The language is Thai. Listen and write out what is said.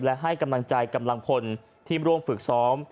และให้กำลังใจกำลังพลที่ร่วมฝึกซ้อม